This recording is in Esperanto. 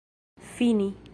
fini